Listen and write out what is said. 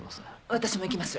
私も行きます。